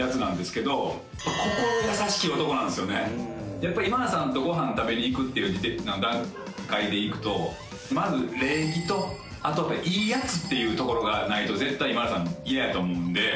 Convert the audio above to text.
やっぱり今田さんとご飯食べに行くっていう段階でいくとまず礼儀とあといいやつっていうところがないと絶対今田さん嫌やと思うんで。